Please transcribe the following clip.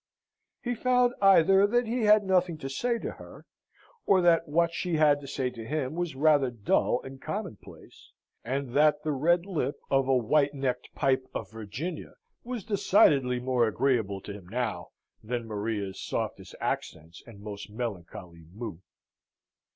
He found either that he had nothing to say to her, or that what she had to say to him was rather dull and commonplace, and that the red lip of a white necked pipe of Virginia was decidedly more agreeable to him now than Maria's softest accents and most melancholy moue.